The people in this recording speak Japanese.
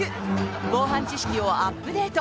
防犯知識をアップデート。